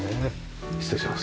失礼します。